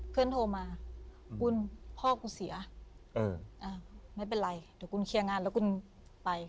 คุณพ่อคุณเสียไม่เป็นไรเดี๋ยวคุณเคลียร์งานแล้วคุณไป